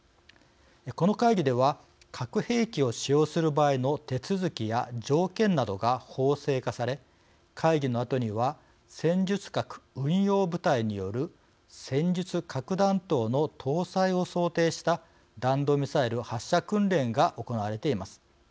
この会議では核兵器を使用する場合の手続きや条件などが法制化され会議のあとには戦術核運用部隊による戦術核弾頭の搭載を想定した弾道ミサイル発射訓練が行われています。